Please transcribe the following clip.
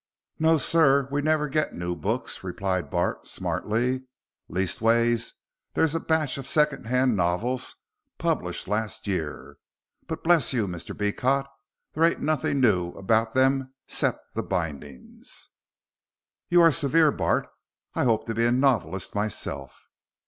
"No, sir. We never get new books," replied Bart, smartly. "Leastways there's a batch of second hand novels published last year. But bless you, Mr. Beecot, there ain't nothing new about them 'cept the bindings." "You are severe, Bart. I hope to be a novelist myself."